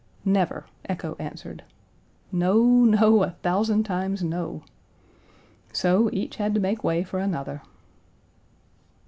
Never, echo answered. No, no, a thousand times no. So, each had to make way for another.